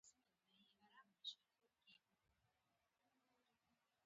ساړه مي کېږي